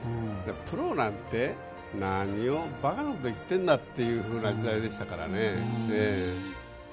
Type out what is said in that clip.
プロなんて何を馬鹿なこと言ってるんだという時代でしたからね。